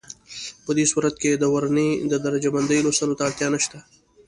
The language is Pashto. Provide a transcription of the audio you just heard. په دې صورت کې د ورنيې د درجه بندۍ لوستلو ته اړتیا نشته.